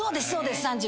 そうです。